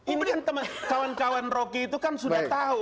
ini kan teman kawan kawan roki itu kan sudah tahu